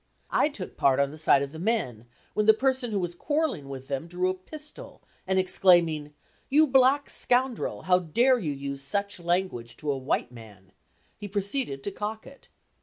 I took part on the side of the men, when the person who was quarrelling with them drew a pistol and exclaiming, "you black scoundrel! how dare you use such language to a white man," he proceeded to cock it.